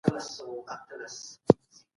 پوهانو د ټولني ستونزې بيان کړې.